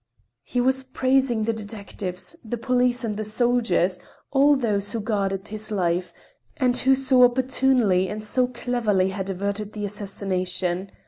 He was praising the detectives, the police, and the soldiers—all those who guarded his life, and who so opportunely and so cleverly had averted the assassination.